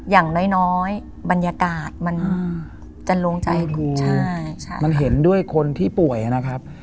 อย่างน้อยบรรยากาศมันจะลงใจดูมันเห็นด้วยคนที่ป่วยนะครับ